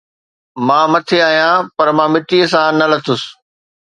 مان مٽي آهيان، پر مان مٽيءَ سان نه لٿس